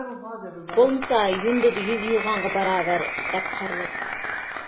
بولمىسا يۇندىدا يۈز يۇغانغا باراۋەر دەپ قارىلىدۇ.